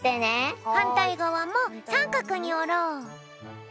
はんたいがわもさんかくにおろう。